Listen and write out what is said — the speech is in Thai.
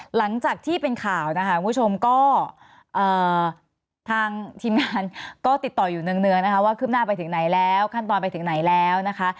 หลังจากที่เป็นข่าวนะคะคุณผู้ชมก็ทางทีมงานก็ติดต่ออยู่เนืองนะคะว่าขึ้นหน้าไปถึงไหนแล้วขั้นตอนไปถึงไหนแล้วนะคะ